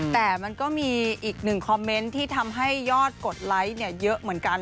แต่มันก็มีอีกหนึ่งคอมเมนต์ที่ทำให้ยอดกดไลค์เยอะเหมือนกัน